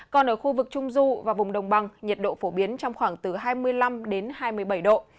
còn ở khu vực trung du và vùng đồng bằng nhiệt độ phổ biến trong khoảng từ hai mươi năm đến hai mươi bảy độ